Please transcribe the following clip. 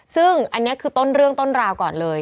ซึ่งอันนี้คือต้นเรื่องต้นราวก่อนเลย